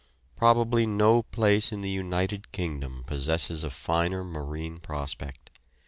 Probably no place in the United Kingdom possesses a finer marine prospect.